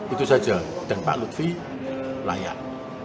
itu saja dan pak lutfi layak